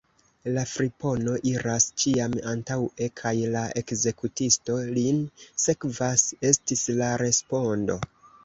La fripono iras ĉiam antaŭe, kaj la ekzekutisto lin sekvas, estis la respondo.